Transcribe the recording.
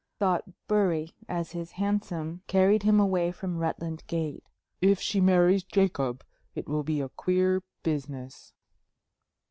thought Bury, as his hansom carried him away from Rutland Gate. "If she marries Jacob, it will be a queer business."